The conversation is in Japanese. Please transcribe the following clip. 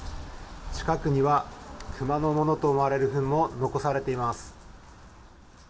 近くにはクマのものと思われるふんも残されています。